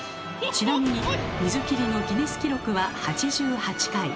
ちなみに水切りのギネス記録は８８回。